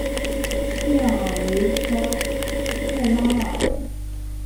谢尔韦沙泰拉尔。